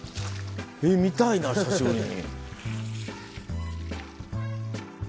見たいな久しぶりに。